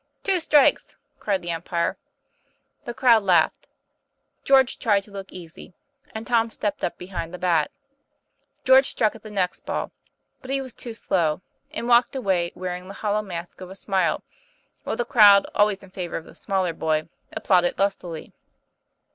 "Two strikes," cried the umpire. The crowd laughed; George tried to look easy, and Tom stepped up behind the bat. George struck at the next ball, but he was too slow, and walked away wearing the hollow mask of a smile; while the crowd, always in favor of the smaller boy, applauded lustily.